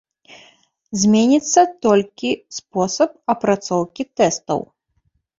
Зменіцца толькі спосаб апрацоўкі тэстаў.